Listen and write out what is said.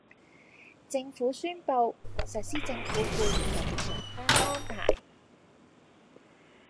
政府宣布實施政府僱員特別上班安排